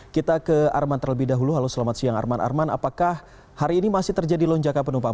kita ke arman terlebih dahulu halo selamat siang arman arman apakah hari ini masih terjadi lonjakan penumpang